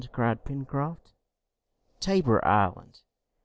cried Pencroft. "Tabor Island."